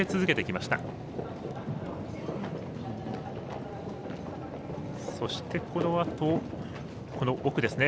そして、このあと、奥ですね。